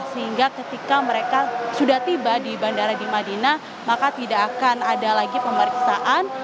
sehingga ketika mereka sudah tiba di bandara di madinah maka tidak akan ada lagi pemeriksaan